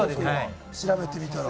調べてみたら。